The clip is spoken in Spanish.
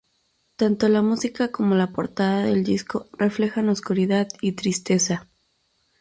Tanto la música como la portada del disco reflejan oscuridad y tristeza.